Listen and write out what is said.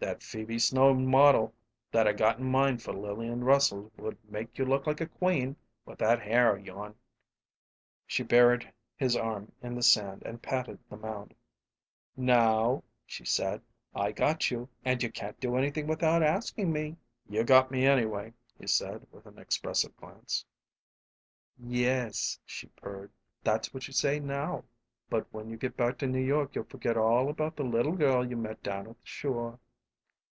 "That Phoebe Snow model that I got in mind for Lillian Russell would make you look like a queen, with that hair of yourn!" She buried his arm in the sand and patted the mound. "Now," she said, "I got you, and you can't do anything without askin' me." "You got me, anyway," he said, with an expressive glance. "Yes," she purred, "that's what you say now; but when you get back to New York you'll forget all about the little girl you met down at the shore."